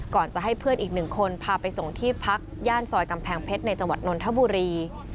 ก่อนจะให้เพื่อนอีกหนึ่งคนพาไปส่งที่พักย่านซอยกำแพงเพชรในจังหวัดนนทบุรี